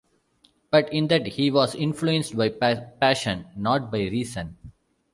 But in that he was influenced by passion, not by reason.